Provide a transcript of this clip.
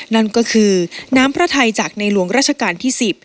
นั่นก็คือน้ำพระไทยจากในหลวงราชการที่๑๐